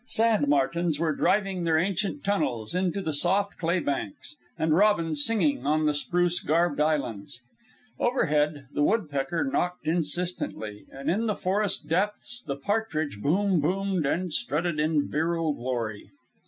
Sand martins were driving their ancient tunnels into the soft clay banks, and robins singing on the spruce garbed islands. Overhead the woodpecker knocked insistently, and in the forest depths the partridge boom boomed and strutted in virile glory.